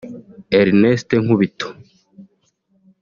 Ernest Nkubito